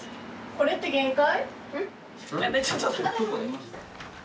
これって限界？